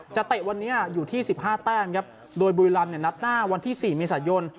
จะเตะวันนี้อยู่ที่สิบห้าแต้มครับโดยบูยรำนัดหน้าวันที่สี่เมษายน